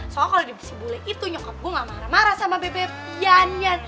soalnya kalo dibersih bule itu nyokap gue gak marah marah sama bebe pianyan